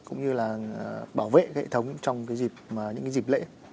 cũng như là bảo vệ hệ thống trong những dịp lễ